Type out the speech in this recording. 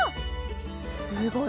すごい。